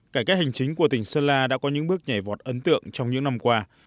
cải cách hành chính của tỉnh sơn la đã có những bước nhảy vọt ấn tượng trong những năm qua